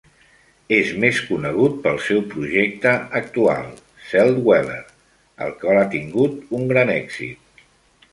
És més conegut pel seu projecte actual, Celldweller, el qual ha tingut un gran èxit.